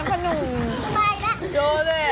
โอ้โห